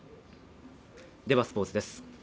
ではスポーツです。